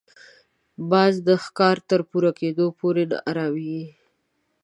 باز د ښکار تر پوره کېدو پورې نه اراميږي